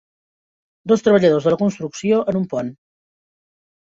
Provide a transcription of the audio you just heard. Dos treballadors de la construcció en un pont